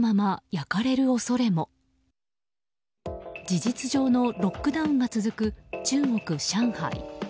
事実上のロックダウンが続く中国・上海。